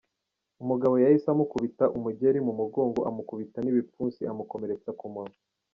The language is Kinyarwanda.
Umugabo ngo yahise amukubita umugeri mu mugongo, amukubita n’ibipfunsi, amukomeretsa ku munwa.